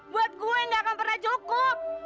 buat gue yang gak akan pernah cukup